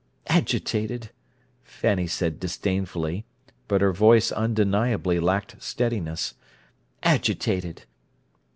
"Agitated!" Fanny said disdainfully, but her voice undeniably lacked steadiness. "Agitated!"